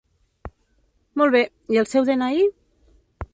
Molt bé, i el seu de-ena-i?